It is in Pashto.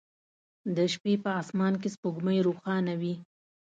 د شپې په اسمان کې سپوږمۍ روښانه وي